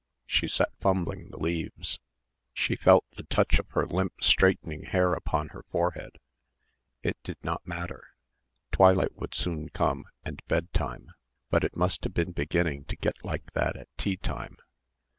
She sat fumbling the leaves. She felt the touch of her limp straightening hair upon her forehead. It did not matter. Twilight would soon come, and bed time. But it must have been beginning to get like that at tea time.